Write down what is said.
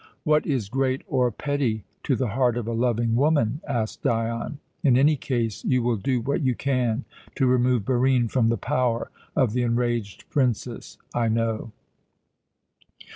"What is great or petty to the heart of a loving woman?" asked Dion. "In any case you will do what you can to remove Barine from the power of the enraged princess I know."